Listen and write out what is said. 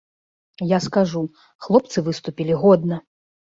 Я скажу, хлопцы выступілі годна!